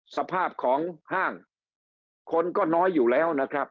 สภาพของห้างคนก็น้อยอยู่แล้วนะครับ